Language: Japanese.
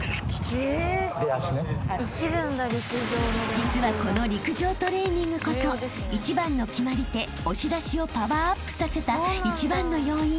［実はこの陸上トレーニングこそ一番の決まり手押し出しをパワーアップさせた一番の要因］